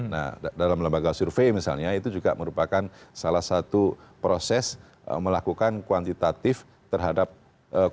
nah dalam lembaga survei misalnya itu juga merupakan salah satu proses melakukan kuantitatif terhadap kinerja